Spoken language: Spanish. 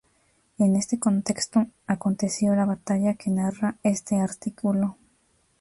En este contexto, aconteció la batalla que narra este artículo.